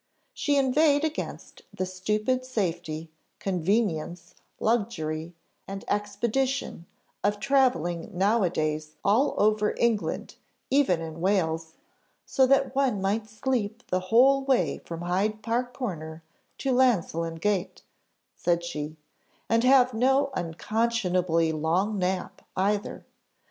She inveighed against the stupid safety, convenience, luxury, and expedition of travelling now a days all over England, even in Wales, "so that one might sleep the whole way from Hyde Park corner to Llansillen gate," said she, "and have no unconscionably long nap either.